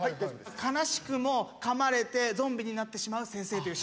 悲しくもかまれてゾンビになってしまう先生というシーンいきましょう。